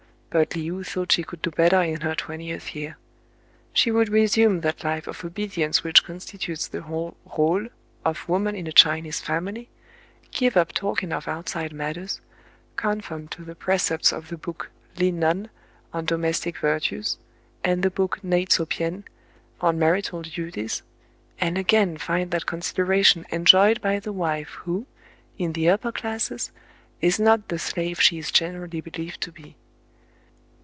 But Le ou thought she could do better in her twentieth year. She would resume that life of obedience which constitutes the whole rôle of woman in a Chinese family, give up talking of outside matters, conform to the precepts of the book "Li nun" on domestic LE OU RECEIVES A LETTER, 51 virtues, and the book Nei tso pien " on marital duties, and again find that consideration enjoyed by the wife who, in the upper classes, is not the slave she is generally believed to be.